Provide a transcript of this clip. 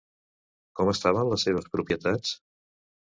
Com estaven les seves propietats?